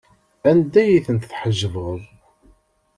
Anda ay ten-tḥejbeḍ?